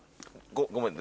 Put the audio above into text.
ごめんね。